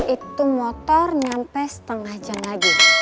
itu motor nyampe setengah jam lagi